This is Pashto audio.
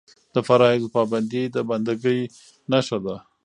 د فرایضو پابندي د بنده ګۍ نښه ده.